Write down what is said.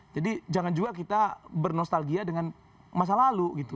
jadi jangan juga kita bernostalgia dengan masa lalu gitu